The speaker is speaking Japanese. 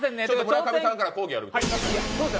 村上さんから抗議があるみたいです。